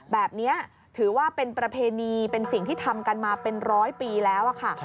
แบบนี้ถือว่าเป็นประเพณีเป็นสิ่งที่ทำกันมาเป็นร้อยปีแล้วค่ะ